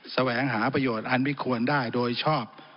แสวงหาประโยชน์อันมิควรได้โดยชอบ